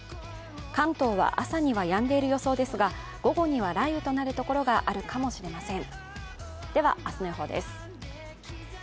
関東は朝にはやんでいる予想ですが、午後には雷雨となるところがあるかもしれません。